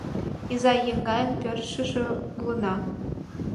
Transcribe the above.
Иза-еҥгайын пӧрыжшӧ улына